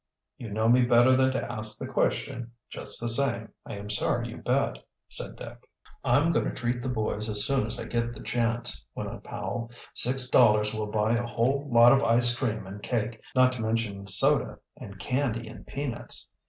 "You know me better than to ask the question. Just the same, I am sorry you bet," said Dick. "I'm going to treat the boys as soon as I get the chance," went on Powell. "Six dollars will buy a whole lot of ice cream and cake, not to mention soda and candy and peanuts."